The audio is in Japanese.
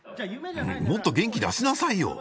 もっと元気出しなさいよ！